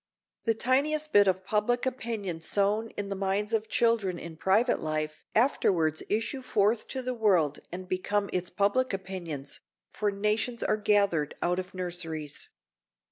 The tiniest bit of public opinion sown in the minds of children in private life afterwards issue forth to the world and become its public opinions, for nations are gathered out of nurseries.